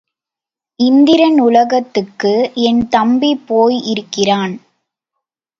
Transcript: இந்திரன் உலகத்துக்கு என் தம்பி போய் இருக்கிறான்.